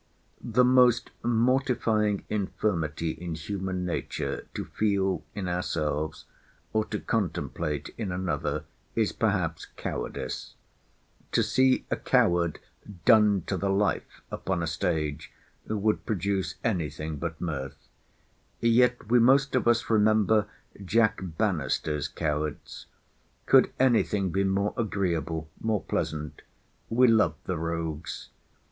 The most mortifying infirmity in human nature, to feel in ourselves, or to contemplate in another, is, perhaps, cowardice. To see a coward done to the life upon a stage would produce anything but mirth. Yet we most of us remember Jack Bannister's cowards. Could any thing be more agreeable, more pleasant? We loved the rogues.